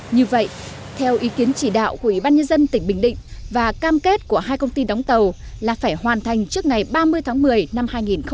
như vậy theo ý kiến chỉ đạo của ủy ban nhân dân tỉnh bình định và cam kết của hai công ty đóng tàu là phải hoàn thành trước ngày ba mươi tháng một mươi năm hai nghìn một mươi chín